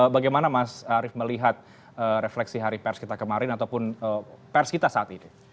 bagaimana mas arief melihat refleksi hari pers kita kemarin ataupun pers kita saat ini